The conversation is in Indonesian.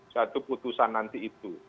satu putusan nanti itu